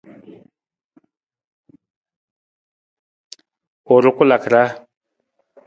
U rukulaka ra.